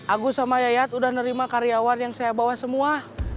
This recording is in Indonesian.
agus sama yayat udah nerima karyawan yang saya bawa semua